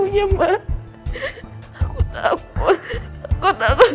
jangan kamu tenang ya